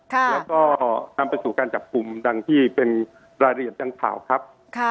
แล้วก็นำไปสู่การจับกลุ่มดังที่เป็นรายละเอียดดังกล่าวครับ